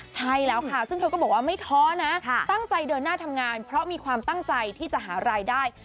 ใช่แล้วค่ะซึ่งเธอก็บอกว่าไม่ท้อนะตั้งใจเดินหน้าทำงานเพราะมีความตั้งใจที่จะหารายได้